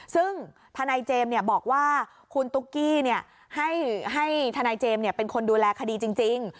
ซึ่งทนายเจมส์บอกว่าคุณตุ๊กกี้ให้ทนายเจมส์เป็นคนดูแลคดีจริง